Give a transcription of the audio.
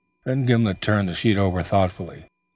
Gimblet turned the sheet over thoughtfully.